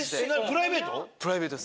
プライベート？